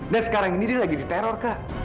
nah sekarang ini dia lagi diteror kak